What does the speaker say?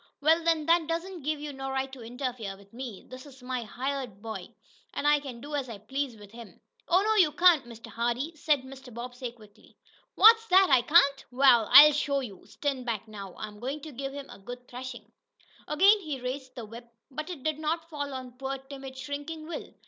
"Wa'al, then that don't give you no right to interfere with me! This is my hired boy, an' I can do as I please with him." "Oh, no, you can't, Mr. Hardee!" said Mr. Bobbsey quickly. "What's that? I can't? Wa'al, I'll show you! Stand back now, I'm goin' to give him a good threshin'!" Again he raised the whip, but it did not fall on poor, timid, shrinking Will.